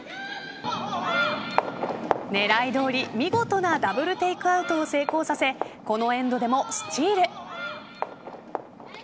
狙いどおり見事なダブルテイクアウトを成功させこのエンドでもスチール。